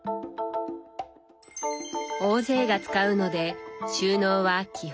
大勢が使うので収納は基本オープン。